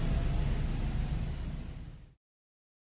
อย่างน้อยมือคนเดิมมันยังไม่ได้เหมือนเดิมเลยค่ะ